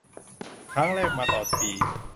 ครั้งแรกมาตอนปี